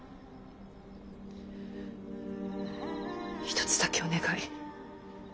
一つだけお願い。